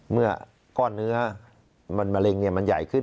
เมื่อก้อนเนื้อมะเร็งมันใหญ่ขึ้น